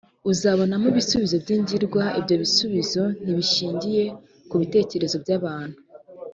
uzabonamo ibisubizo byiringirwa ibyo bisubizo ntibishingiye ku bitekerezo by’abantu